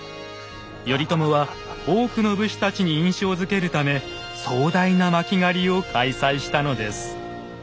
頼朝は多くの武士たちに印象づけるため壮大な巻狩を開催したのです。